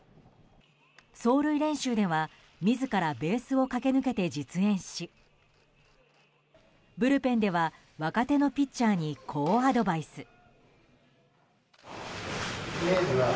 走塁練習では自らベースを駆け抜けて実演しブルペンでは若手のピッチャーにこうアドバイス。